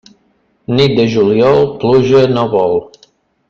Nit de juliol pluja no vol.